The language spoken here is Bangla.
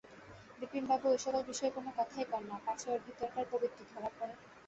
বিপিনবাবু এ-সকল বিষয়ে কোনো কথাই কন না, পাছে ওঁর ভিতরকার কবিত্ব ধরা পড়ে।